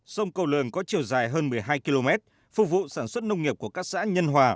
sông cầu lường có chiều dài hơn một mươi hai km phục vụ sản xuất nông nghiệp của các xã nhân hòa